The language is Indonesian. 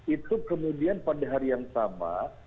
itu kemudian pada hari yang sama